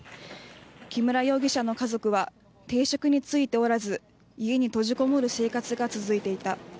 木村容疑者の家族は定職に就いておらず、家に閉じこもる生活が続いていた。